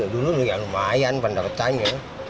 dulu lumayan pendapatannya